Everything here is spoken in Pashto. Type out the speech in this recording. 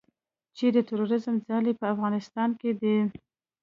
چې د تروریزم ځالې په افغانستان کې دي